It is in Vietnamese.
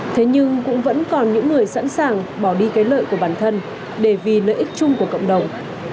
thế nhưng cũng vẫn còn những người sẵn sàng bỏ đi cái lợi của bản thân để vì lợi ích chung của cộng đồng